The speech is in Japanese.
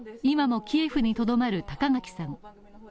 今もキエフにとどまる高垣さん